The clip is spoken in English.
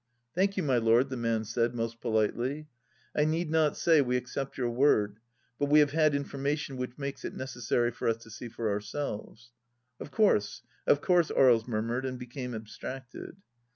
" Thank you, my lord," the man said, most politely, " I need not say we accept your word, but we have had information which makes it necessary for us to see for our selves. ..."" Of course I Of course !" Aries murmured, and became abstracted.